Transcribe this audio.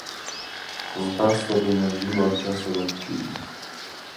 ځغاسته د انرژۍ لوړتیا سبب کېږي